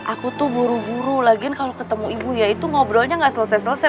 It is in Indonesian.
aku tuh buru buru lagi kalau ketemu ibu yaitu ngobrolnya nggak selesai selesai